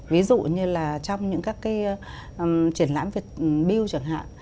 ví dụ như là trong những các cái triển lãm việt build chẳng hạn